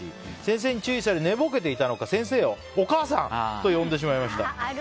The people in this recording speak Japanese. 先生に注意され寝ぼけていたのか先生を、お母さんと呼んでしまいました。